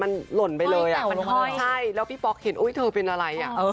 มันหล่นไปเลยอ่ะใช่แล้วพี่ป๊อกเห็นอุ๊ยเธอเป็นอะไรอ่ะ